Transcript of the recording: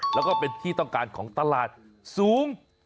แล้วก็เป็นที่ต้องการของตลาดสูง